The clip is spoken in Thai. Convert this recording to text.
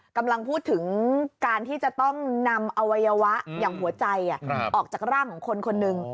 กำลังพูดถึงการที่จะต้องนำอวัยวะอย่างหัวใจออกจากร่างของคนคนหนึ่ง